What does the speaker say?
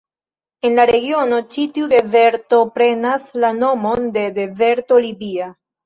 En la regiono, ĉi tiu dezerto prenas la nomon de dezerto Libia.